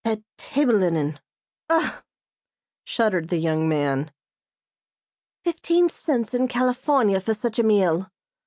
"That table linen! Ugh!" shuddered the young man. "Fifteen cents in California for such a meal!"